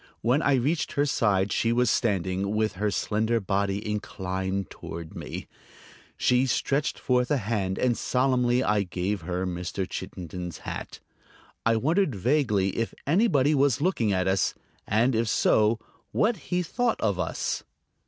When I reached her side she was standing with her slender body inclined toward me. She stretched forth a hand and solemnly I gave her Mr. Chittenden's hat. I wondered vaguely if anybody was looking at us, and, if so, what he thought of us.